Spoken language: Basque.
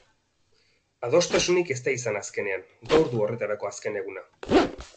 Adostasunik ez da izan azkenean gaur du horretarako azken eguna.